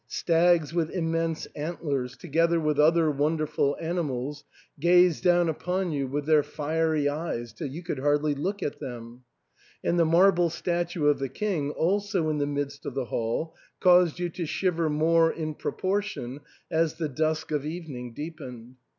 Stags with immense antlers, together with other wonderful animals, gazed down upon you with their fiery eyes till you could hardly look at them ; andlhe marble statue of the king, also in the midst of the hall, caused you to shiver more in proportion as the dusk of evening deepened.